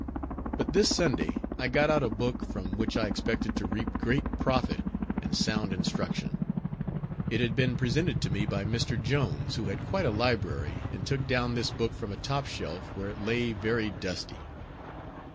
But this Sunday I got out a book, from which I expected to reap great profit and sound instruction. It had been presented to me by Mr. Jones, who had quite a library, and took down this book from a top shelf, where it lay very dusty.